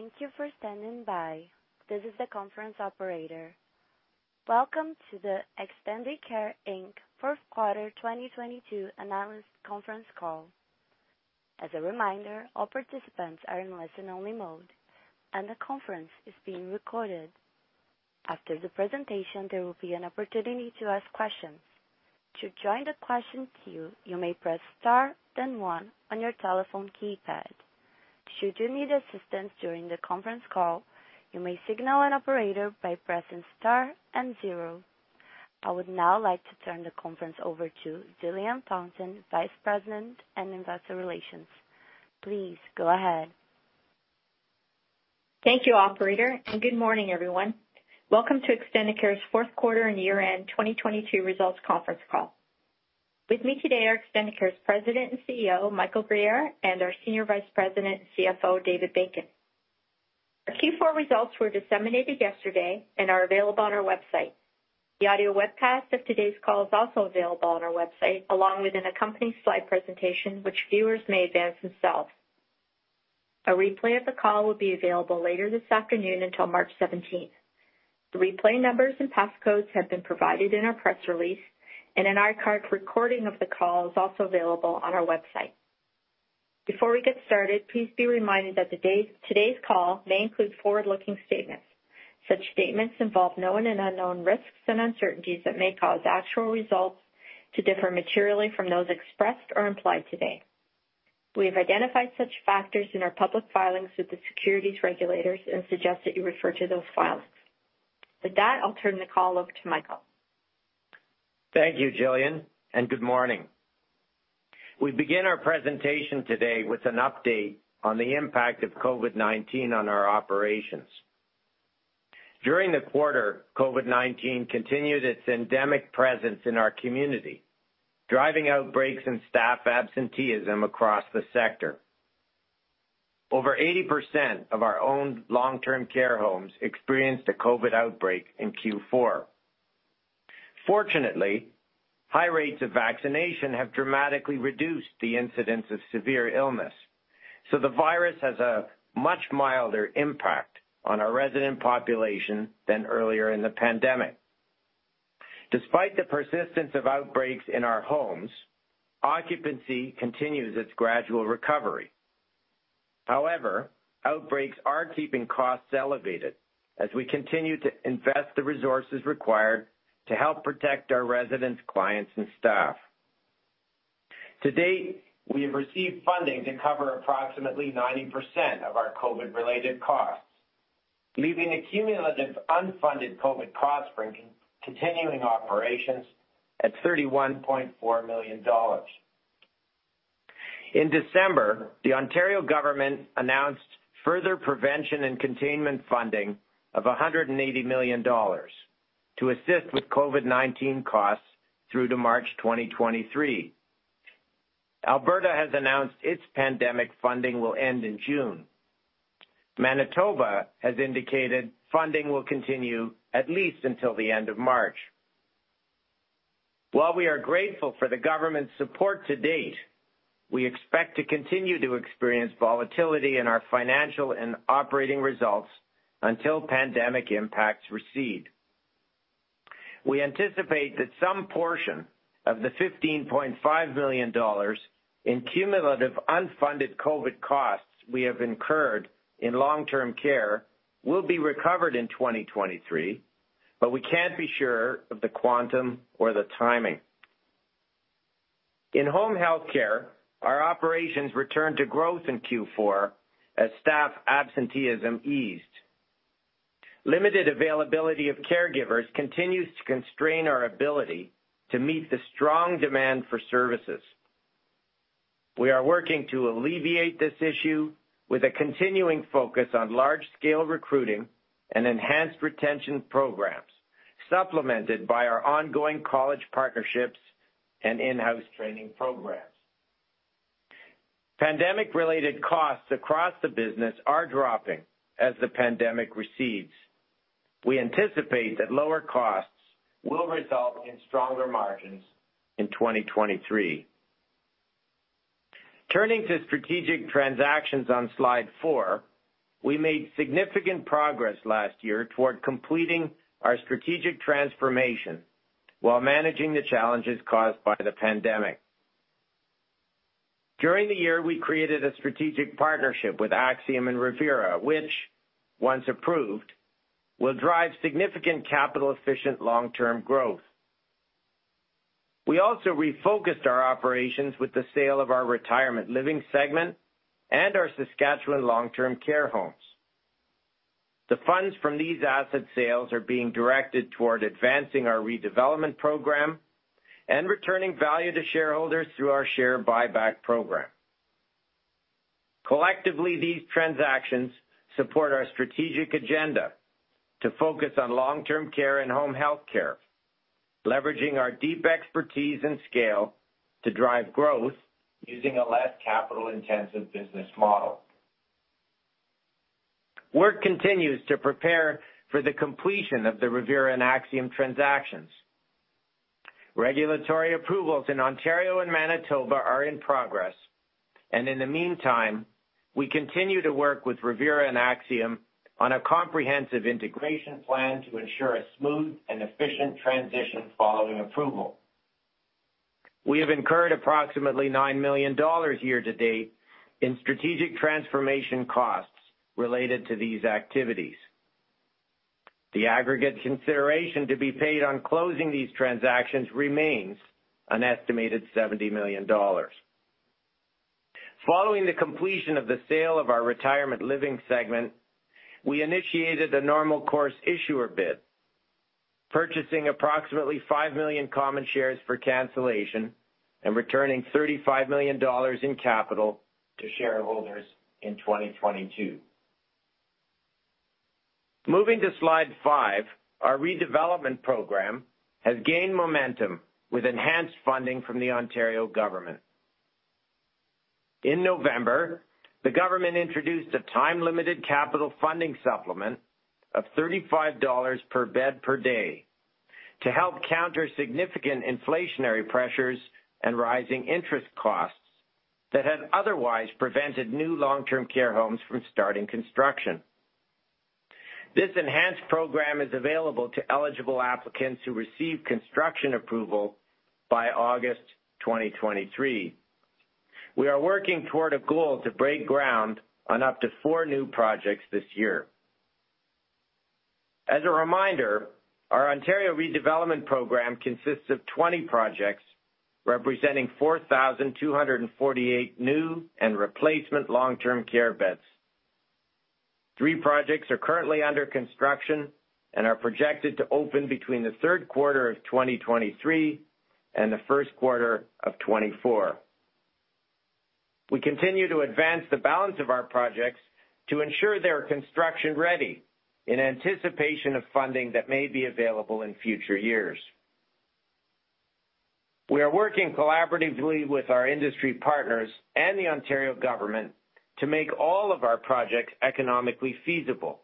Thank you for standing by. This is the conference operator. Welcome to the Extendicare Inc. Fourth Quarter 2022 Analyst Conference Call. As a reminder, all participants are in listen-only mode. The conference is being recorded. After the presentation, there will be an opportunity to ask questions. To join the question queue, you may press star then one on your telephone keypad. Should you need assistance during the conference call, you may signal an operator by pressing star and zero. I would now like to turn the conference over to Jillian Fountain, Vice President and Investor Relations. Please go ahead. Thank you, operator. Good morning, everyone. Welcome to Extendicare's Fourth Quarter and Year-End 2022 Results Conference Call. With me today are Extendicare's President and CEO, Michael Guerriere, and our Senior Vice President and CFO, David Bacon. Our Q4 results were disseminated yesterday and are available on our website. The audio webcast of today's call is also available on our website, along with an accompanying slide presentation which viewers may advance themselves. A replay of the call will be available later this afternoon until March 17th. The replay numbers and passcodes have been provided in our press release, and an archive recording of the call is also available on our website. Before we get started, please be reminded that today's call may include forward-looking statements. Such statements involve known and unknown risks and uncertainties that may cause actual results to differ materially from those expressed or implied today. We have identified such factors in our public filings with the securities regulators and suggest that you refer to those filings. With that, I'll turn the call over to Michael. Thank you, Jillian, and good morning. We begin our presentation today with an update on the impact of COVID-19 on our operations. During the quarter, COVID-19 continued its endemic presence in our community, driving outbreaks and staff absenteeism across the sector. Over 80% of our own long-term care homes experienced a COVID outbreak in Q4. Fortunately, high rates of vaccination have dramatically reduced the incidence of severe illness, so the virus has a much milder impact on our resident population than earlier in the pandemic. Despite the persistence of outbreaks in our homes, occupancy continues its gradual recovery. Outbreaks are keeping costs elevated as we continue to invest the resources required to help protect our residents, clients, and staff. To date, we have received funding to cover approximately 90% of our COVID-related costs, leaving a cumulative unfunded COVID cost bringing continuing operations at 31.4 million dollars. In December, the Ontario government announced further prevention and containment funding of 180 million dollars to assist with COVID-19 costs through to March 2023. Alberta has announced its pandemic funding will end in June. Manitoba has indicated funding will continue at least until the end of March. We are grateful for the government's support to date, we expect to continue to experience volatility in our financial and operating results until pandemic impacts recede. We anticipate that some portion of the 15.5 million dollars in cumulative unfunded COVID costs we have incurred in long-term care will be recovered in 2023, we can't be sure of the quantum or the timing. In home health care, our operations returned to growth in Q4 as staff absenteeism eased. Limited availability of caregivers continues to constrain our ability to meet the strong demand for services. We are working to alleviate this issue with a continuing focus on large-scale recruiting and enhanced retention programs, supplemented by our ongoing college partnerships and in-house training programs. Pandemic-related costs across the business are dropping as the pandemic recedes. We anticipate that lower costs will result in stronger margins in 2023. Turning to strategic transactions on slide 4, we made significant progress last year toward completing our strategic transformation while managing the challenges caused by the pandemic. During the year, we created a strategic partnership with Axium and Revera, which, once approved, will drive significant capital-efficient long-term growth. We also refocused our operations with the sale of our retirement living segment and our Saskatchewan long-term care homes. The funds from these asset sales are being directed toward advancing our redevelopment program and returning value to shareholders through our share buyback program. Collectively, these transactions support our strategic agenda to focus on long-term care and home health care, leveraging our deep expertise and scale to drive growth using a less capital-intensive business model. Work continues to prepare for the completion of the Revera and Axium transactions. Regulatory approvals in Ontario and Manitoba are in progress. In the meantime, we continue to work with Revera and Axium on a comprehensive integration plan to ensure a smooth and efficient transition following approval. We have incurred approximately 9 million dollars year-to-date in strategic transformation costs related to these activities. The aggregate consideration to be paid on closing these transactions remains an estimated 70 million dollars. Following the completion of the sale of our retirement living segment, we initiated a Normal Course Issuer Bid, purchasing approximately five million common shares for cancellation and returning 35 million dollars in capital to shareholders in 2022. Moving to slide five. Our redevelopment program has gained momentum with enhanced funding from the Ontario government. In November, the government introduced a time-limited capital funding supplement of 35 dollars per bed per day to help counter significant inflationary pressures and rising interest costs that had otherwise prevented new long-term care homes from starting construction. This enhanced program is available to eligible applicants who receive construction approval by August 2023. We are working toward a goal to break ground on up to four new projects this year. As a reminder, our Ontario redevelopment program consists of 20 projects representing 4,248 new and replacement long-term care beds. Three projects are currently under construction and are projected to open between the third quarter of 2023 and the first quarter of 2024. We continue to advance the balance of our projects to ensure they are construction ready in anticipation of funding that may be available in future years. We are working collaboratively with our industry partners and the Ontario government to make all of our projects economically feasible,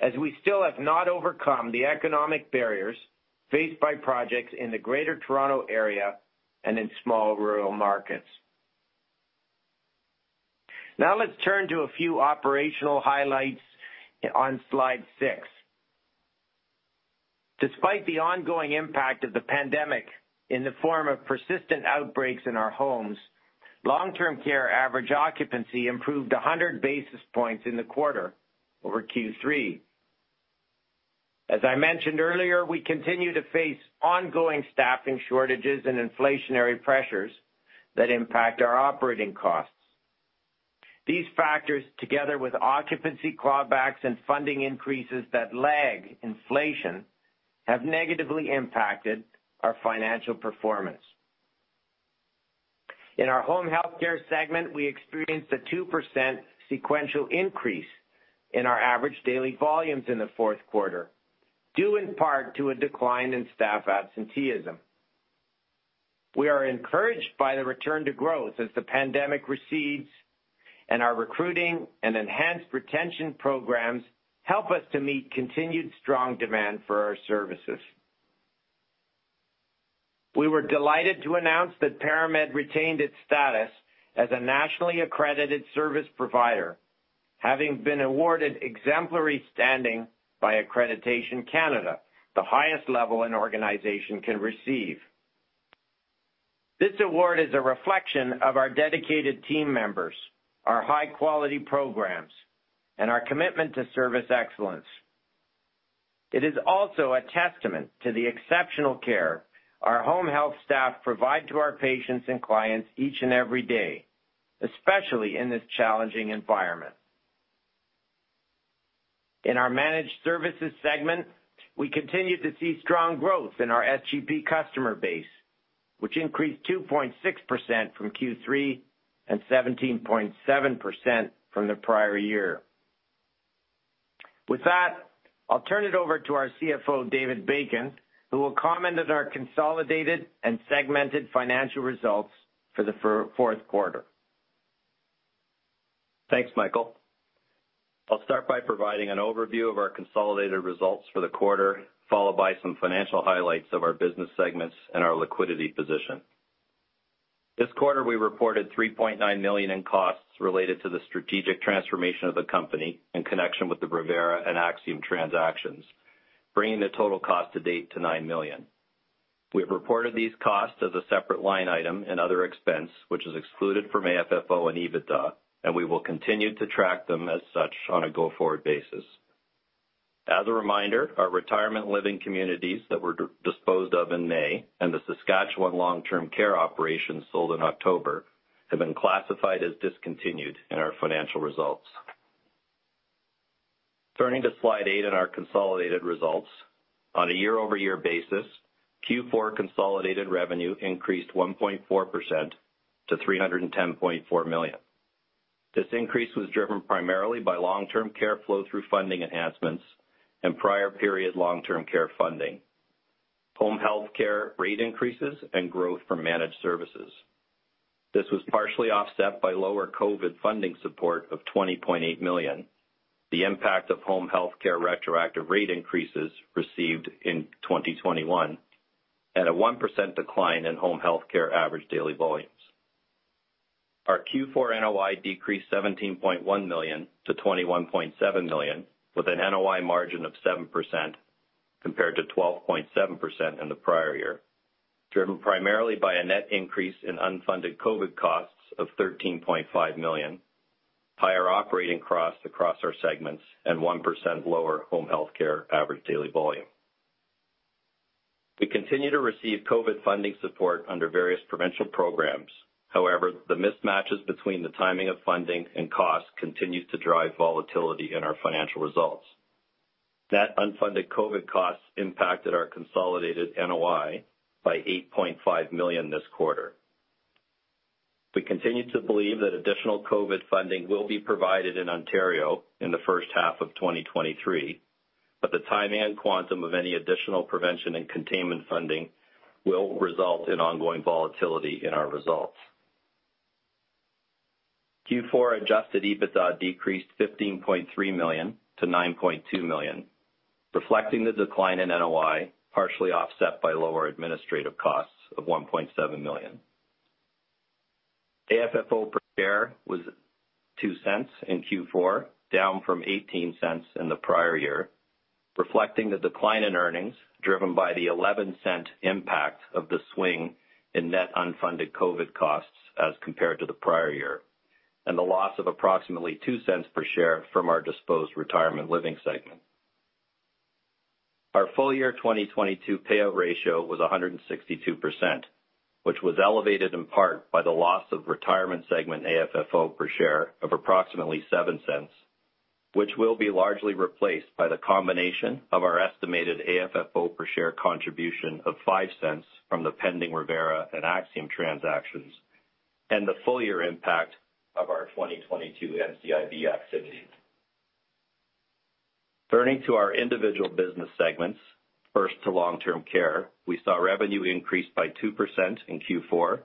as we still have not overcome the economic barriers faced by projects in the Greater Toronto Area and in small rural markets. Let's turn to a few operational highlights on slide 6. Despite the ongoing impact of the pandemic in the form of persistent outbreaks in our homes, long-term care average occupancy improved 100 basis points in the quarter over Q3. As I mentioned earlier, we continue to face ongoing staffing shortages and inflationary pressures that impact our operating costs. These factors, together with occupancy clawbacks and funding increases that lag inflation, have negatively impacted our financial performance. In our home health care segment, we experienced a 2% sequential increase in our average daily volumes in the fourth quarter, due in part to a decline in staff absenteeism. We are encouraged by the return to growth as the pandemic recedes and our recruiting and enhanced retention programs help us to meet continued strong demand for our services. We were delighted to announce that ParaMed retained its status as a nationally accredited service provider, having been awarded exemplary standing by Accreditation Canada, the highest level an organization can receive. This award is a reflection of our dedicated team members, our high-quality programs, and our commitment to service excellence. It is also a testament to the exceptional care our home health staff provide to our patients and clients each and every day, especially in this challenging environment. In our managed services segment, we continue to see strong growth in our SGP customer base, which increased 2.6% from Q3 and 17.7% from the prior year. With that, I'll turn it over to our CFO, David Bacon, who will comment on our consolidated and segmented financial results for the fourth quarter. Thanks, Michael. I'll start by providing an overview of our consolidated results for the quarter, followed by some financial highlights of our business segments and our liquidity position. This quarter, we reported 3.9 million in costs related to the strategic transformation of the company in connection with the Revera and Axium transactions, bringing the total cost to date to 9 million. We have reported these costs as a separate line item and other expense, which is excluded from AFFO and EBITDA, and we will continue to track them as such on a go-forward basis. As a reminder, our retirement living communities that were disposed of in May and the Saskatchewan long-term care operations sold in October have been classified as discontinued in our financial results. Turning to slide eight in our consolidated results. On a year-over-year basis, Q4 consolidated revenue increased 1.4% to 310.4 million. This increase was driven primarily by long-term care flow through funding enhancements and prior period long-term care funding. Home health care rate increases and growth from managed services. This was partially offset by lower COVID funding support of 20.8 million, the impact of Home health care retroactive rate increases received in 2021, and a 1% decline in home health care average daily volumes. Our Q4 NOI decreased 17.1 million to 21.7 million, with an NOI margin of 7% compared to 12.7% in the prior year, driven primarily by a net increase in unfunded COVID costs of 13.5 million, higher operating costs across our segments, and 1% lower home health care average daily volume. We continue to receive COVID funding support under various provincial programs. However, the mismatches between the timing of funding and costs continues to drive volatility in our financial results. Net unfunded COVID costs impacted our consolidated NOI by 8.5 million this quarter. We continue to believe that additional COVID funding will be provided in Ontario in the first half of 2023, but the time and quantum of any additional prevention and containment funding will result in ongoing volatility in our results. Q4 adjusted EBITDA decreased 15.3 million to 9.2 million, reflecting the decline in NOI, partially offset by lower administrative costs of 1.7 million. AFFO per share was 0.02 in Q4, down from 0.18 in the prior year, reflecting the decline in earnings, driven by the 0.11 impact of the swing in net unfunded COVID costs as compared to the prior year, and the loss of approximately 0.02 per share from our disposed retirement living segment. Our full year 2022 payout ratio was 162%, which was elevated in part by the loss of retirement segment AFFO per share of approximately 0.07, which will be largely replaced by the combination of our estimated AFFO per share contribution of 0.05 from the pending Revera and Axium transactions and the full year impact of our 2022 NCIB activity. Turning to our individual business segments. First to long-term care. We saw revenue increase by 2% in Q4,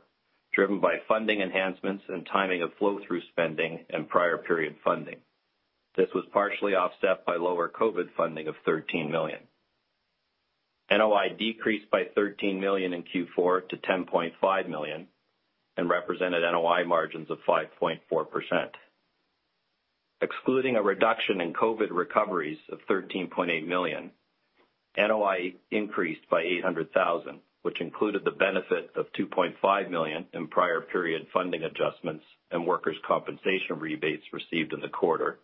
driven by funding enhancements and timing of flow-through spending and prior period funding. This was partially offset by lower COVID funding of 13 million. NOI decreased by 13 million in Q4 to 10.5 million and represented NOI margins of 5.4%. Excluding a reduction in COVID recoveries of 13.8 million, NOI increased by 800,000, which included the benefit of 2.5 million in prior period funding adjustments and workers' compensation rebates received in the quarter,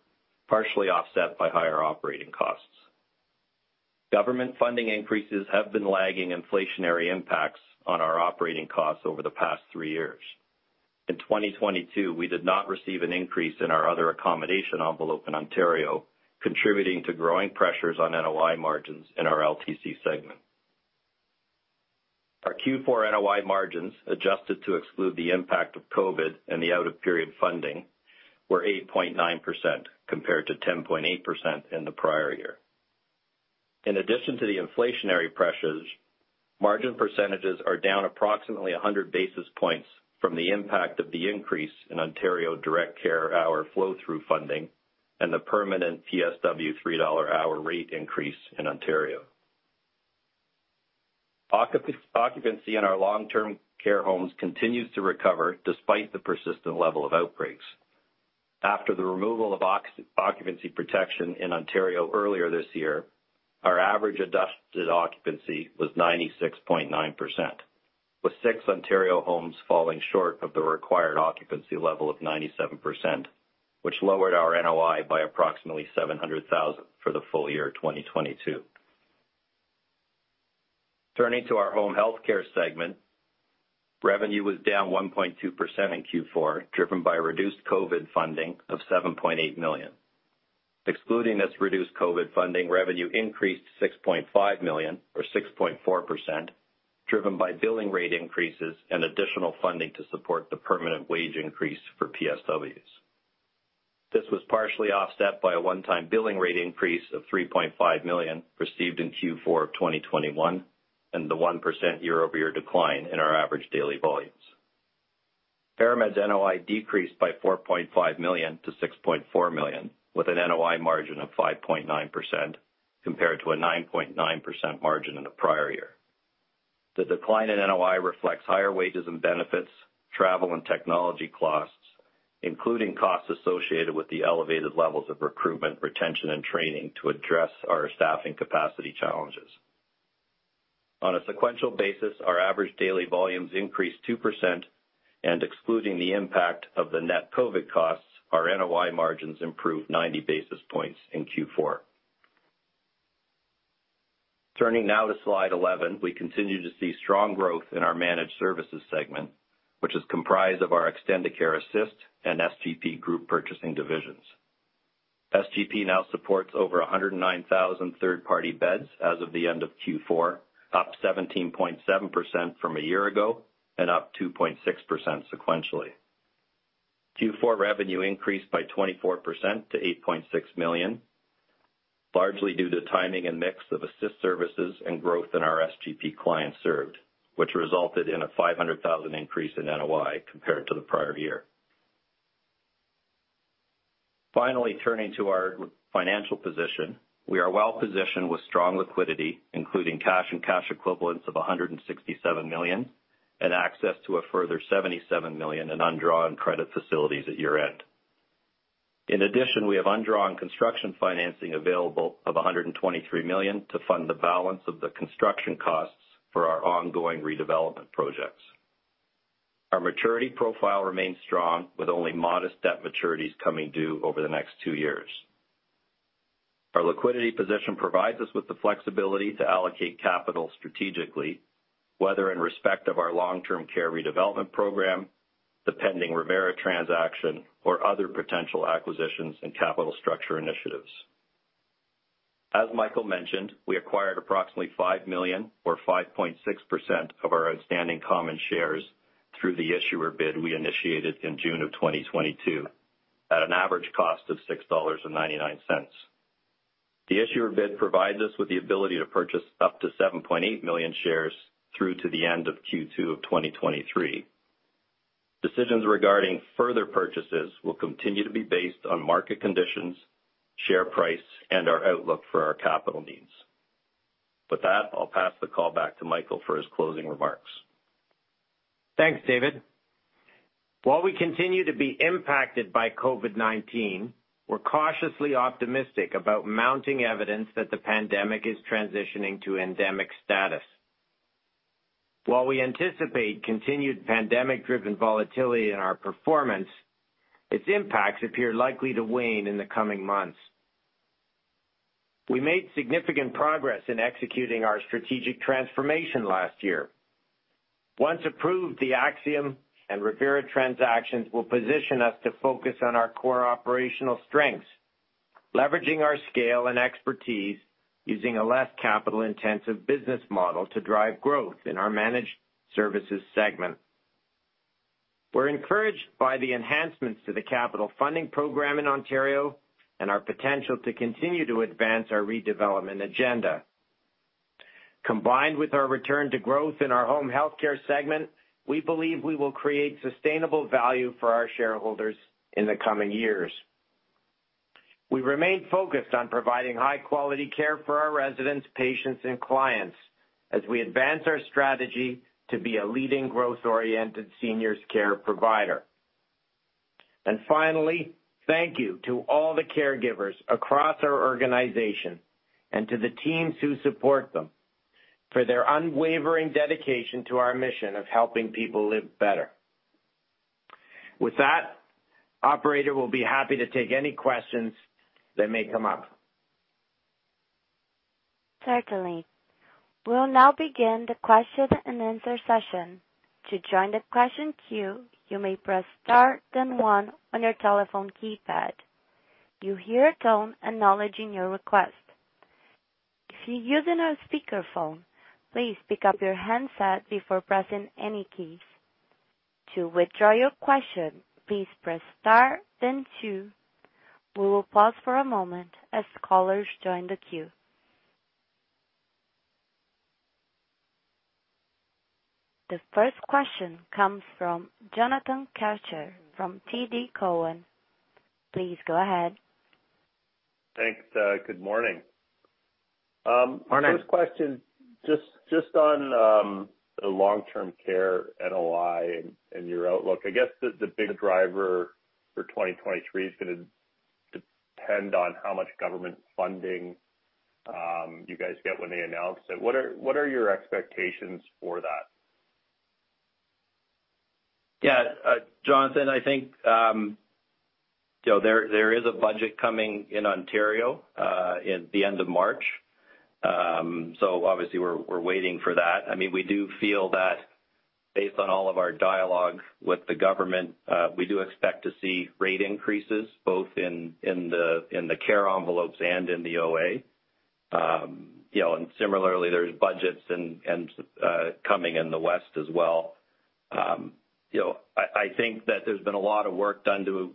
partially offset by higher operating costs. Government funding increases have been lagging inflationary impacts on our operating costs over the past three years. In 2022, we did not receive an increase in our other accommodations envelope in Ontario, contributing to growing pressures on NOI margins in our LTC segment. Our Q4 NOI margins, adjusted to exclude the impact of COVID-19 and the out-of-period funding, were 8.9% compared to 10.8% in the prior year. In addition to the inflationary pressures, margin percentages are down approximately 100 basis points from the impact of the increase in Ontario direct care hour flow-through funding and the permanent PSW $3 an hour rate increase in Ontario. Occupancy in our long-term care homes continues to recover despite the persistent level of outbreaks. After the removal of occupancy protection in Ontario earlier this year, our average adjusted occupancy was 96.9%, with six Ontario homes falling short of the required occupancy level of 97%, which lowered our NOI by approximately 700,000 for the full year 2022. Turning to our home health care segment, revenue was down 1.2% in Q4, driven by reduced COVID funding of 7.8 million. Excluding this reduced COVID funding, revenue increased 6.5 million or 6.4%, driven by billing rate increases and additional funding to support the permanent wage increase for PSWs. This was partially offset by a one-time billing rate increase of 3.5 million received in Q4 of 2021 and the 1% year-over-year decline in our average daily volumes. ParaMed's NOI decreased by 4.5 million to 6.4 million, with an NOI margin of 5.9% compared to a 9.9% margin in the prior year. The decline in NOI reflects higher wages and benefits, travel and technology costs, including costs associated with the elevated levels of recruitment, retention, and training to address our staffing capacity challenges. On a sequential basis, our average daily volumes increased 2% and, excluding the impact of the net COVID costs, our NOI margins improved 90 basis points in Q4. Turning now to slide 11. We continue to see strong growth in our managed services segment, which is comprised of our Extendicare Assist and SGP group purchasing divisions. SGP now supports over 109,000 third-party beds as of the end of Q4, up 17.7% from a year-ago and up 2.6% sequentially. Q4 revenue increased by 24% to 8.6 million, largely due to timing and mix of assist services and growth in our SGP clients served, which resulted in a 500,000 increase in NOI compared to the prior year. Turning to our financial position. We are well positioned with strong liquidity, including cash and cash equivalents of 167 million and access to a further 77 million in undrawn credit facilities at year-end. We have undrawn construction financing available of 123 million to fund the balance of the construction costs for our ongoing redevelopment projects. Our maturity profile remains strong with only modest debt maturities coming due over the next two years. Our liquidity position provides us with the flexibility to allocate capital strategically, whether in respect of our long-term care redevelopment program, the pending Revera transaction, or other potential acquisitions and capital structure initiatives. As Michael mentioned, we acquired approximately 5 million or 5.6% of our outstanding common shares through the issuer bid we initiated in June 2022 at an average cost of 6.99 dollars. The issuer bid provides us with the ability to purchase up to 7.8 million shares through to the end of Q2 2023. Decisions regarding further purchases will continue to be based on market conditions, share price, and our outlook for our capital needs. With that, I'll pass the call back to Michael for his closing remarks. Thanks, David. While we continue to be impacted by COVID-19, we're cautiously optimistic about mounting evidence that the pandemic is transitioning to endemic status. While we anticipate continued pandemic-driven volatility in our performance, its impacts appear likely to wane in the coming months. We made significant progress in executing our strategic transformation last year. Once approved, the Axium and Revera transactions will position us to focus on our core operational strengths, leveraging our scale and expertise using a less capital-intensive business model to drive growth in our managed services segment. We're encouraged by the enhancements to the capital funding program in Ontario and our potential to continue to advance our redevelopment agenda. Combined with our return to growth in our home health care segment, we believe we will create sustainable value for our shareholders in the coming years. We remain focused on providing high quality care for our residents, patients, and clients as we advance our strategy to be a leading growth-oriented seniors care provider. Finally, thank you to all the caregivers across our organization and to the teams who support them for their unwavering dedication to our mission of helping people live better. Operator, we'll be happy to take any questions that may come up. Certainly. We'll now begin the question and answer session. To join the question queue, you may press star then one on your telephone keypad. You'll hear a tone acknowledging your request. If you're using a speakerphone, please pick up your handset before pressing any keys. To withdraw your question, please press star then two. We will pause for a moment as callers join the queue. The first question comes from Jonathan Kelcher from TD Cowen. Please go ahead. Thanks. Good morning. Morning. First question, just on the long-term care NOI and your outlook. I guess the big driver for 2023 is gonna depend on how much government funding you guys get when they announce it. What are your expectations for that? Yeah. Jonathan, I think, you know, there is a budget coming in Ontario in the end of March. Obviously we're waiting for that. I mean, we do feel that based on all of our dialogue with the government, we do expect to see rate increases both in the care envelopes and in the OA. You know, similarly, there's budgets and coming in the West as well. You know, I think that there's been a lot of work done to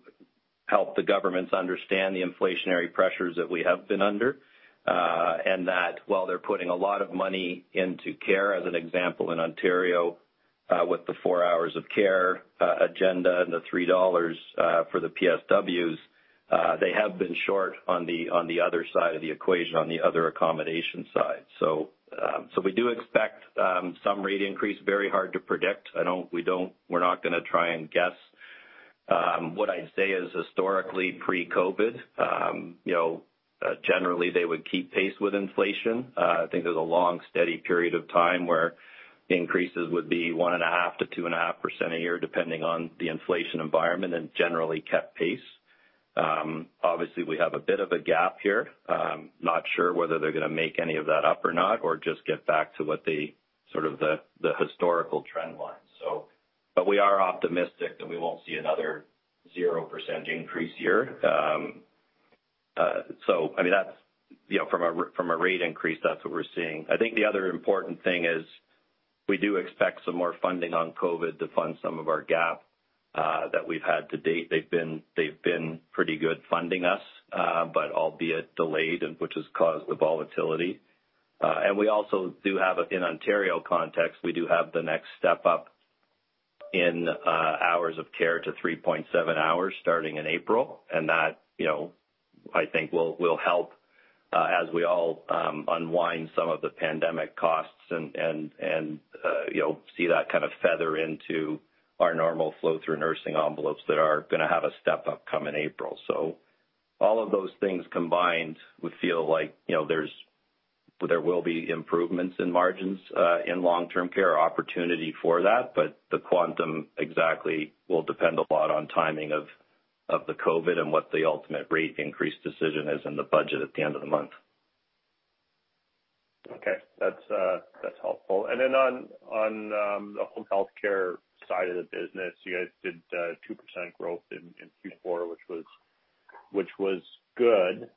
help the governments understand the inflationary pressures that we have been under, and that while they're putting a lot of money into care, as an example, in Ontario, with the four hours of care agenda and 3 dollars for the PSWs, they have been short on the other accommodation side. We do expect some rate increase, very hard to predict. I don't, we don't, we're not gonna try and guess. What I'd say is historically pre-COVID, you know, generally they would keep pace with inflation. I think there's a long, steady period of time where increases would be 1.5%-2.5% a year, depending on the inflation environment and generally kept pace. Obviously we have a bit of a gap here. Not sure whether they're gonna make any of that up or not or just get back to what the, sort of the historical trend lines. We are optimistic that we won't see another 0% increase year. I mean, that's, you know, from a, from a rate increase, that's what we're seeing. I think the other important thing is we do expect some more funding on COVID to fund some of our gap that we've had to date. They've been pretty good funding us, but albeit delayed and which has caused the volatility. We also do have in Ontario context, we do have the next step up in hours of care to 3.7 hours starting in April. That, you know, I think will help as we all unwind some of the pandemic costs and, you know, see that kind of feather into our normal flow through nursing envelopes that are gonna have a step-up come in April. All of those things combined would feel like, you know, there will be improvements in margins in long-term care or opportunity for that. The quantum exactly will depend a lot on timing of the COVID and what the ultimate rate increase decision is in the budget at the end of the month. Okay. That's helpful. Then on, the home healthcare side of the business, you guys did, 2% growth in Q4, which was good.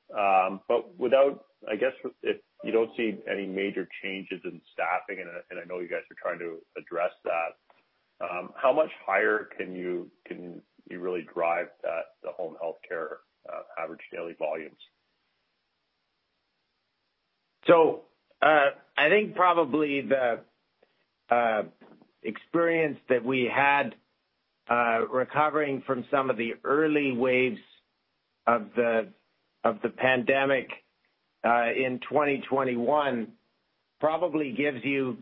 Without I guess if you don't see any major changes in staffing, and I know you guys are trying to address that, how much higher can you really drive that, the home healthcare, average daily volumes? I think probably the experience that we had recovering from some of the early waves of the pandemic in 2021 probably gives you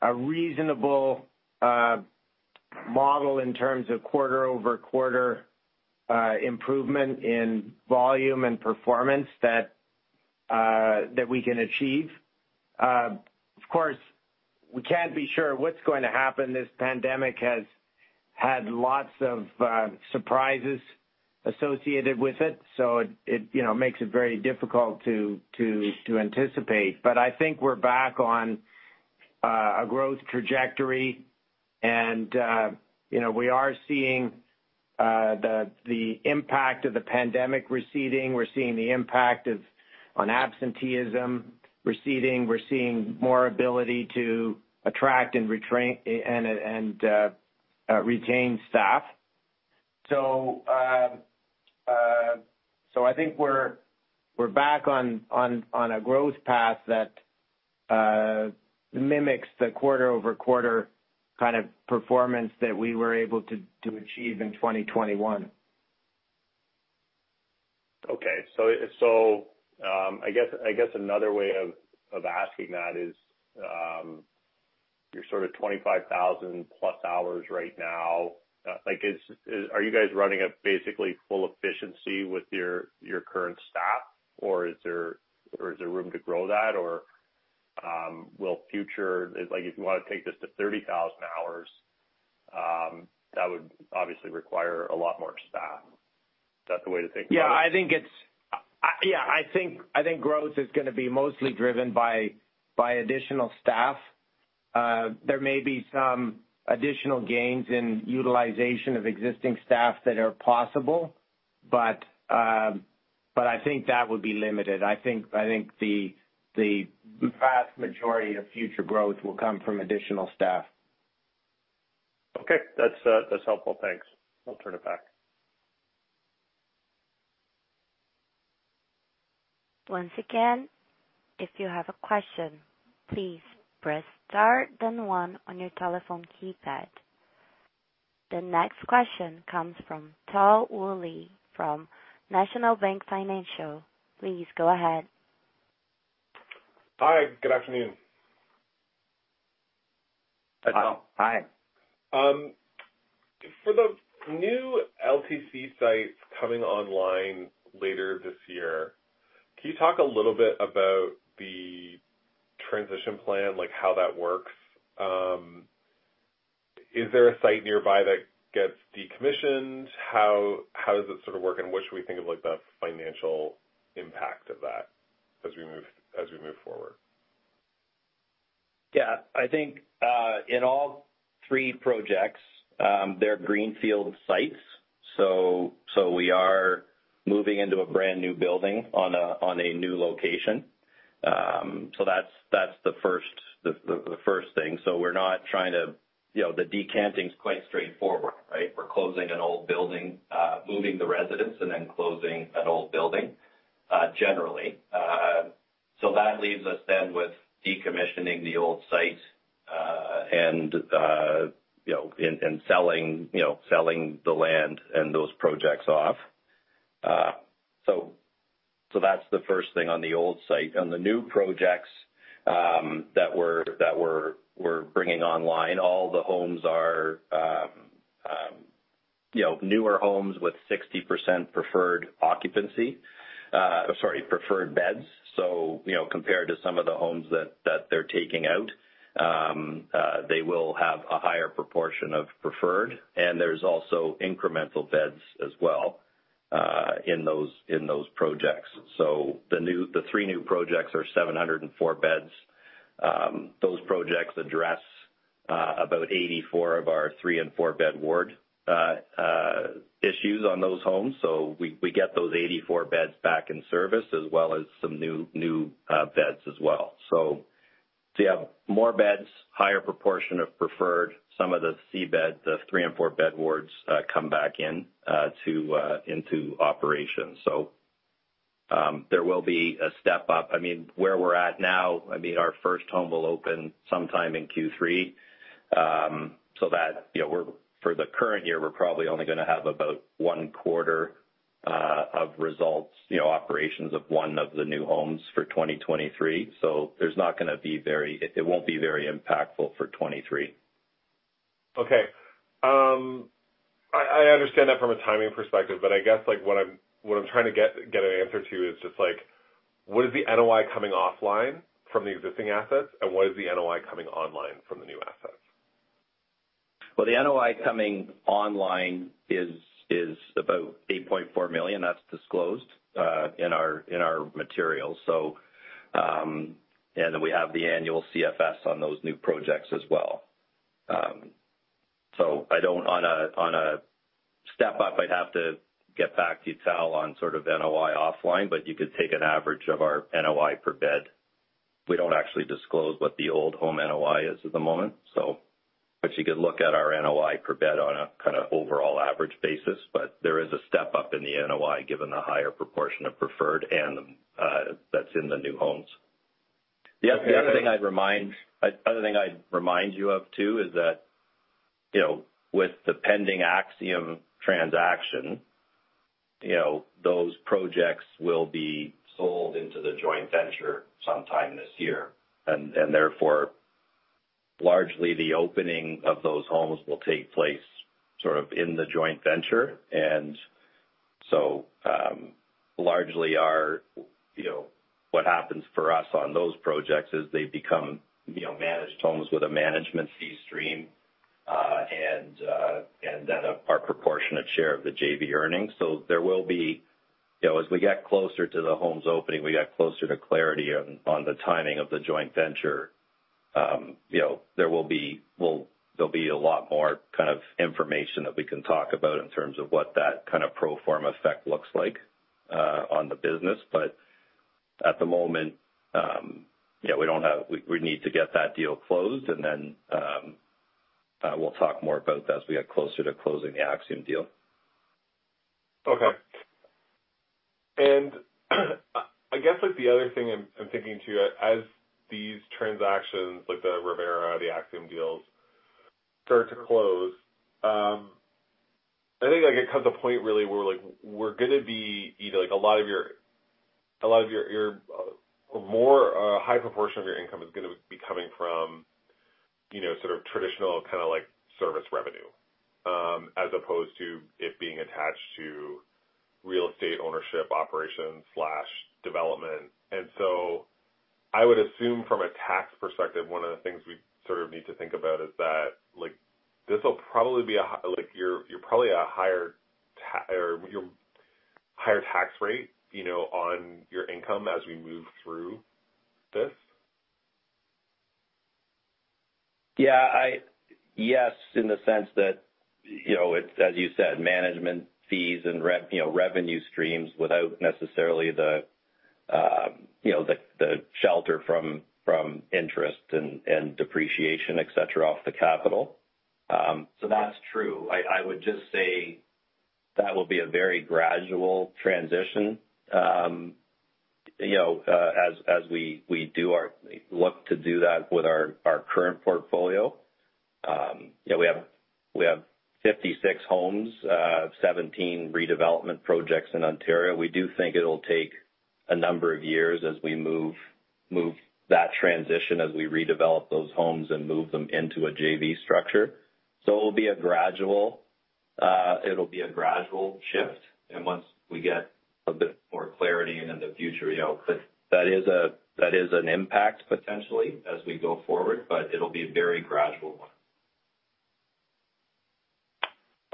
a reasonable model in terms of quarter-over-quarter improvement in volume and performance that we can achieve. Of course, we can't be sure what's going to happen. This pandemic has had lots of surprises associated with it, so it, you know, makes it very difficult to anticipate. I think we're back on a growth trajectory. You know, we are seeing the impact of the pandemic receding. We're seeing the impact of on absenteeism receding. We're seeing more ability to attract and retrain and retain staff. I think we're back on a growth path that mimics the quarter-over-quarter kind of performance that we were able to achieve in 2021. Okay. I guess another way of asking that is, you're sort of 25,000+ hours right now. Are you guys running at basically full efficiency with your current staff, or is there room to grow that? Like if you wanna take this to 30,000 hours, that would obviously require a lot more staff. Is that the way to think about it? I think growth is gonna be mostly driven by additional staff. There may be some additional gains in utilization of existing staff that are possible, but I think that would be limited. I think the vast majority of future growth will come from additional staff. Okay. That's, that's helpful. Thanks. I'll turn it back. If you have a question, please press star then one on your telephone keypad. The next question comes from Tal Woolley from National Bank Financial. Please go ahead. Hi. Good afternoon. Hi, Tal. For the new LTC sites coming online later this year, can you talk a little bit about the transition plan, like how that works? Is there a site nearby that gets decommissioned? How does it sort of work, and what should we think of like the financial impact of that as we move forward? I think in all three projects, they're greenfield sites, so we are moving into a brand-new building on a new location. That's the first thing. We're not trying to—you know, the decanting's quite straightforward, right? We're closing an old building, moving the residents and then closing an old building, generally. That leaves us then with decommissioning the old site, and, you know, selling the land and those projects off. That's the first thing on the old site. On the new projects that we're bringing online, all the homes are, you know, newer homes with 60% preferred occupancy. Sorry, preferred beds. You know, compared to some of the homes that they're taking out, they will have a higher proportion of preferred, and there's also incremental beds as well in those projects. The three new projects are 704 beds. Those projects address about 84 of our three and four-bed ward issues on those homes. We get those 84 beds back in service as well as some new beds as well. You have more beds, higher proportion of preferred, some of the C beds, the three and four-bed wards, come back in to into operation. There will be a step up. I mean, where we're at now, I mean, our first home will open sometime in Q3. So that, you know, for the current year, we're probably only gonna have about one quarter of results, you know, operations of one of the new homes for 2023. There's not gonna be it won't be very impactful for 2023. Okay. I understand that from a timing perspective. I guess, like, what I'm trying to get an answer to is just like, what is the NOI coming offline from the existing assets and what is the NOI coming online from the new assets? The NOI coming online is about 8.4 million. That's disclosed in our materials. We have the annual CFS on those new projects as well. On a step up, I'd have to get back to you, Tal, on sort of NOI offline, but you could take an average of our NOI per bed. We don't actually disclose what the old home NOI is at the moment. You could look at our NOI per bed on a kinda overall average basis, but there is a step up in the NOI, given the higher proportion of preferred and that's in the new homes. The other thing I'd remind you of too is that, you know, with the pending Axium transaction, you know, those projects will be sold into the joint venture sometime this year. Therefore, largely the opening of those homes will take place sort of in the joint venture. Largely our, you know, what happens for us on those projects is they become, you know, managed homes with a management fee stream, and then a, our proportionate share of the JV earnings. So there will be—youknow, as we get closer to the homes opening, we get closer to clarity on the timing of the joint venture, you know, there'll be a lot more kind of information that we can talk about in terms of what that kind of pro forma effect looks like on the business. At the moment, yeah, we need to get that deal closed, then we'll talk more about that as we get closer to closing the Axium deal. Okay. I guess, like, the other thing I'm thinking to, as these transactions, like the Revera, the Axium deals start to close, I think, like, it comes a point really where, like, we're gonna be either like, a lot of your more high proportion of your income is gonna be coming from, you know, sort of traditional kinda, like, service revenue, as opposed to it being attached to real estate ownership operations/development. So I would assume from a tax perspective, one of the things we sort of need to think about is that, like, this will probably be like you're probably a higher or you're higher tax rate, you know, on your income as we move through this. Yes, in the sense that, you know, it's, as you said, management fees and you know, revenue streams without necessarily the, you know, the shelter from interest and depreciation, et cetera, off the capital. That's true. I would just say that will be a very gradual transition, you know, as we look to do that with our current portfolio. You know, we have 56 homes, 17 redevelopment projects in Ontario. We do think it'll take a number of years as we move that transition, as we redevelop those homes and move them into a JV structure. It'll be a gradual, it'll be a gradual shift. Once we get a bit more clarity in the future, you know. That is an impact potentially as we go forward, but it'll be a very gradual one.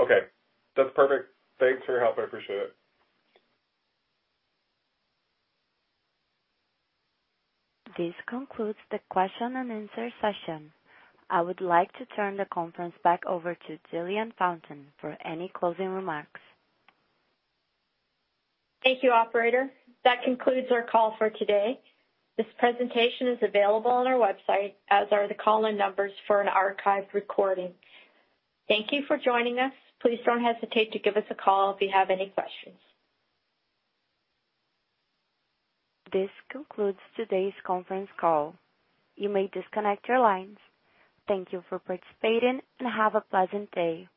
Okay. That's perfect. Thanks for your help. I appreciate it. This concludes the question and answer session. I would like to turn the conference back over to Jillian Fountain for any closing remarks. Thank you, operator. That concludes our call for today. This presentation is available on our website, as are the call-in numbers for an archived recording. Thank you for joining us. Please don't hesitate to give us a call if you have any questions. This concludes today's conference call. You may disconnect your lines. Thank you for participating, and have a pleasant day.